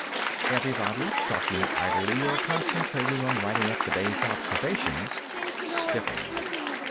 Everybody, talking idly or concentrating on writing up the day's observations, stiffened.